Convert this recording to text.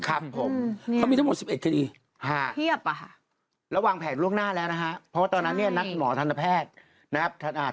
ครับผมเขามีทั้งหมด๑๑คดีเพียบแล้ววางแผนล่วงหน้าแล้วนะฮะเพราะว่าตอนนั้นเนี่ยนัดหมอทันแพทย์นะครับ